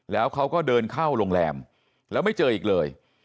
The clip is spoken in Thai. แล้วเขาก็เดินเข้าโรงแรมแล้วไม่เจออีกเลย